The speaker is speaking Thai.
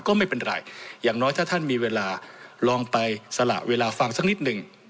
ก็ไม่เป็นไรอย่างน้อยถ้าท่านมีเวลาลองไปสละเวลาฟังสักนิดหนึ่ง